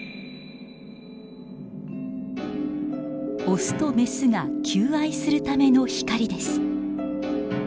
雄と雌が求愛するための光です。